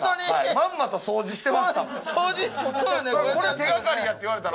まんまと掃除してましたもん。